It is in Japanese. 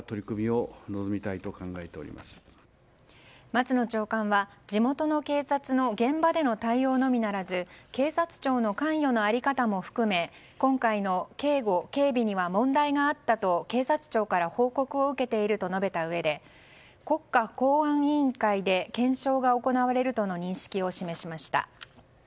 松野長官は、地元の警察の現場での対応のみならず警察庁の関与の在り方も含め今回の警護・警備には問題があったと警察庁から報告を受けていると述べたうえで国家公安委員会で検証が行われるとの認識を示しました。